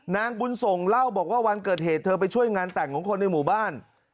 นางบุญส่งเล่าบอกว่าวันเกิดเหตุเธอไปช่วยงานแต่งของคนในหมู่บ้าน